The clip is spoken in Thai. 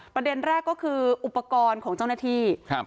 ประเด็นแรกก็คืออุปกรณ์ของเจ้าหน้าที่ครับ